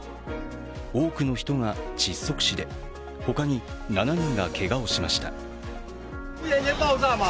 多くの人が窒息死で他に７人がけがをしました。